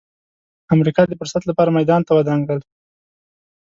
امریکا د فرصت لپاره میدان ته ودانګل.